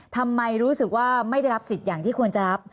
ทำไมรู้สึกว่าไม่ได้รับสิทธิ์อย่างที่ควรจะรับ